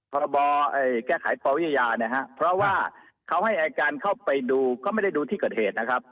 พรบแก้ไขปวิทยานะครับเพราะว่าเขาให้อายการเข้าไปดูก็ไม่ได้ดูที่เกิดเหตุนะครับ